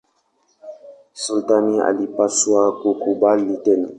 Sultani alipaswa kukubali tena.